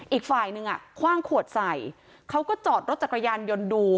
อีกฝ่ายนึงอ่ะคว่างขวดใส่เขาก็จอดรถจักรยานยนต์ดู